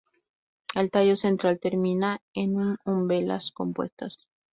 El tallo central termina en un umbelas compuestas.